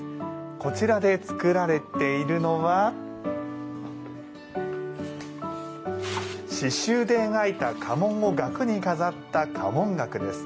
こちらで作られているのは刺しゅうで描いた家紋を額に飾った家紋額です。